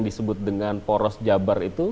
disebut dengan poros jabar itu